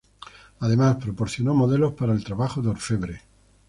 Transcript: Además, proporcionó modelos para el trabajo de orfebre.